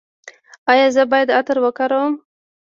ایا زه باید عطر وکاروم؟